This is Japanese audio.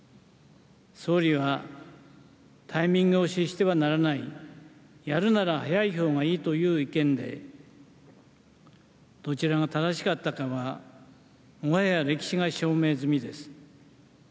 総理はタイミングを失してはならないやるなら早いほうがいいという意見でどちらが正しかったかはもはや歴史が証明済みです。